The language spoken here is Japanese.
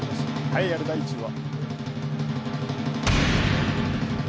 栄えある第１位は。